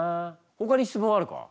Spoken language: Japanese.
ほかに質問あるか？